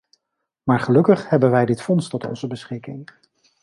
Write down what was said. Maar gelukkig hebben wij dit fonds tot onze beschikking.